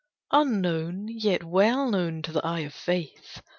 Unknown, yet well known to the eye of faith!